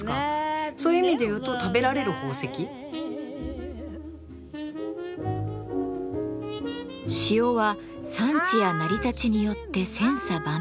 そういう意味で言うと塩は産地や成り立ちによって千差万別。